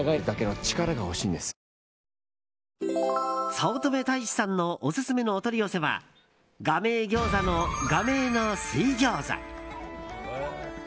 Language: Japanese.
早乙女太一さんのオススメのお取り寄せは雅梅餃子の、雅梅の水餃子。